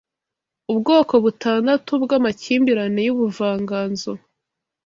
Ubwoko butandatu bwamakimbirane yubuvanganzo